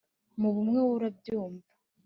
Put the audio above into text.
mu bumwe wowe urabyumva